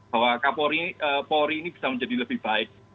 bahwa kapolri ini bisa menjadi lebih baik